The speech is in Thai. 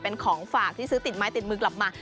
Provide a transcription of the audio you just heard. เป็นของฝากที่ซื้อติดไม้ติดมือกลับมา